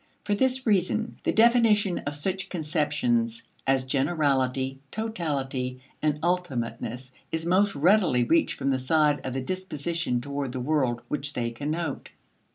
For this reason, the definition of such conceptions as generality, totality, and ultimateness is most readily reached from the side of the disposition toward the world which they connote.